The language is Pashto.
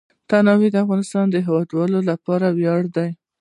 تنوع د افغانستان د هیوادوالو لپاره ویاړ دی.